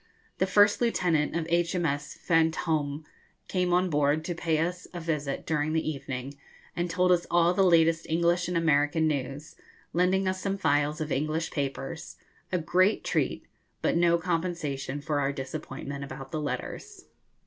The first lieutenant of H.M.S. 'Fantôme' came on board to pay us a visit during the evening, and told us all the latest English and American news, lending us some files of English papers a great treat, but no compensation for our disappointment about the letters.